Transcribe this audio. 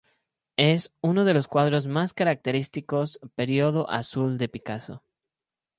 Es uno de los cuadros más característicos Período azul de Picasso.